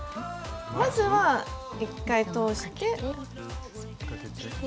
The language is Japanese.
まずは１回通して。